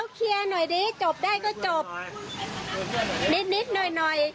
๓คนไงเลยลุงเขาเลย